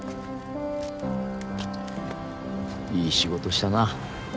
いい仕事したな。